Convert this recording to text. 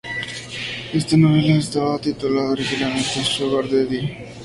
Esta novela estaba titulada originalmente Sugar Daddy lo que fue posteriormente modificado.